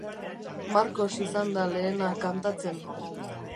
Markos izan da lehena kantatzen.